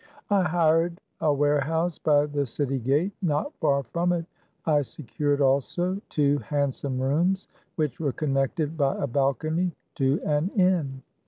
I hired a warehouse by the city gate. Not far from it I secured also two handsome rooms, which were connected by a balcony to an inn.